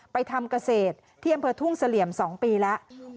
ไปทำเกษตรที่อำเภอทุ่งเสลี่ยม๒ปีแล้ว